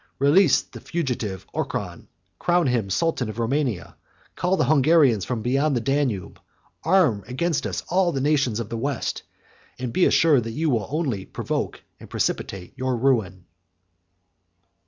Release the fugitive Orchan, crown him sultan of Romania; call the Hungarians from beyond the Danube; arm against us the nations of the West; and be assured, that you will only provoke and precipitate your ruin."